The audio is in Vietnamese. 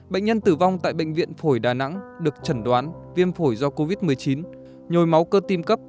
bệnh nhân tử vong tại bệnh viện phổi đà nẵng được chẩn đoán viêm phổi do covid một mươi chín nhồi máu cơ tim cấp